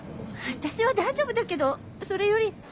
私は大丈夫だけどそれより。